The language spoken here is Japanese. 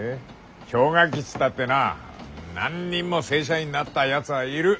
氷河期っつったってな何人も正社員になったやつはいる。